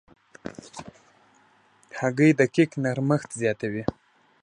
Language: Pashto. هګۍ د کیک نرمښت زیاتوي.